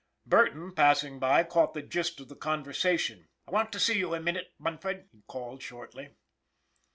Burton, passing by, caught the gist of the conversa tion. " I want to see you a minute, Munford," he called, shortly.